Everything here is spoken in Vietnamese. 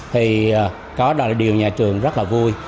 thì có điều nhà trường rất là vui